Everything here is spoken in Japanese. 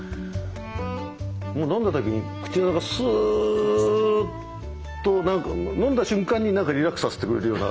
もう飲んだ時に口の中スーッと飲んだ瞬間に何かリラックスさせてくれるような。